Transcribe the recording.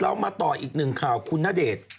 เรามาต่ออีกหนึ่งคราวคุณณเดช